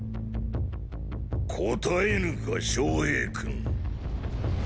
答えぬか昌平君。